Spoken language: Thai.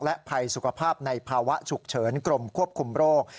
และภัยสุขภาพในภาวะฉุกเฉินกรมควบคุมโรค